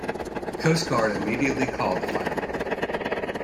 The Coastguard immediately called the fire brigade.